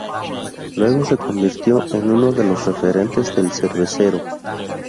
Luego se convirtió en uno de los referentes del Cervecero.